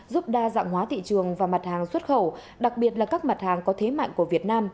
giúp đa dạng hóa thị trường và mặt hàng xuất khẩu đặc biệt là các mặt hàng có thế mạnh của việt nam